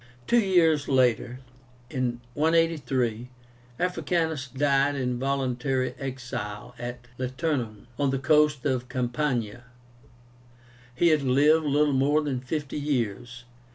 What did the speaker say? Two years later (183), Africanus died in voluntary exile at Liternum, on the coast of Campania. He had lived little more than fifty years.